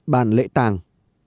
bàn lễ tàng